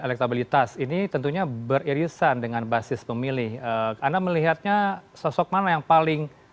elektabilitas ini tentunya beririsan dengan basis pemilih anda melihatnya sosok mana yang paling